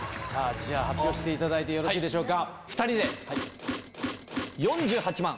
じゃあ発表していただいてよろしいでしょうか？